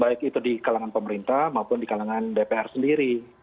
baik itu di kalangan pemerintah maupun di kalangan dpr sendiri